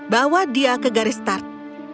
bawa dia ke garis start